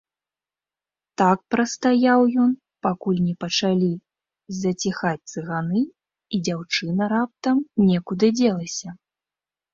Так прастаяў ён, пакуль не пачалі заціхаць цыганы і дзяўчына раптам некуды дзелася.